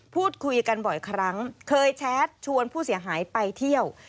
พูดคุยกันบ่อยครั้งเคยแชทชวนผู้เสียหายไปเที่ยว